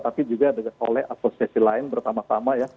tapi juga oleh asosiasi lain bertama tama ya